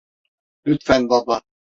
Lütfen baba.